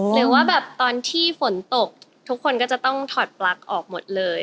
หรือว่าแบบตอนที่ฝนตกทุกคนก็จะต้องถอดปลั๊กออกหมดเลย